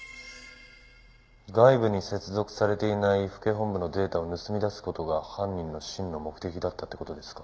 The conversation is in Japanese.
「外部に接続されていない府警本部のデータを盗み出す事が犯人の真の目的だったって事ですか？」